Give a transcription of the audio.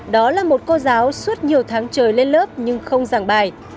đó là một cô giáo suốt nhiều tháng trời lên lớp nhưng không giảng bài